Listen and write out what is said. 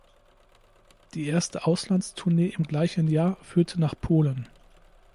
Die erste Auslandstournee im gleichen Jahr führte nach Polen.